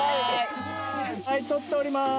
・撮っております。